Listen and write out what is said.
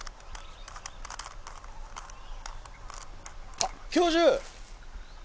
あっ教授！